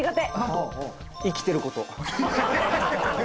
生きてること。